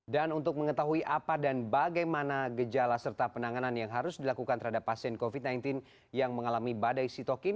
dan untuk mengetahui apa dan bagaimana gejala serta penanganan yang harus dilakukan terhadap pasien covid sembilan belas yang mengalami badai sitokin